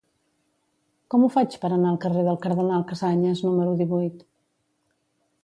Com ho faig per anar al carrer del Cardenal Casañas número divuit?